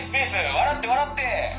笑って笑って」。